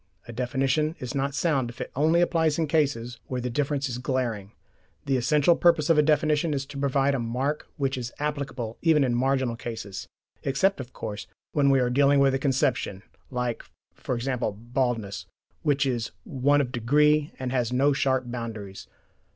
A definition is not sound if it only applies in cases where the difference is glaring: the essential purpose of a definition is to provide a mark which is applicable even in marginal cases except, of course, when we are dealing with a conception, like, e.g. baldness, which is one of degree and has no sharp boundaries.